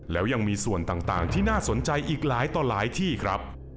แล้วยังมีส่วนต่างที่น่าสนใจอีกหลายต่อหลายที่ครับ